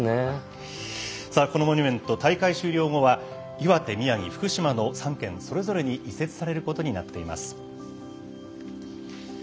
このモニュメント、大会終了後は岩手、宮城、福島の３県それぞれに移設されることになっています。